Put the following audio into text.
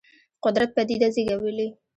قدرت پدیده زېږولې.